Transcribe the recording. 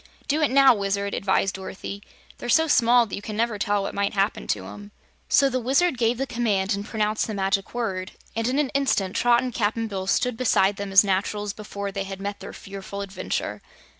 "Do it now, Wizard!" advised Dorothy. "They're so small that you never can tell what might happen to 'em." So the Wizard gave the command and pronounced the Magic Word, and in the instant Trot and Cap'n Bill stood beside them as natural as before they had met their fearful adventure.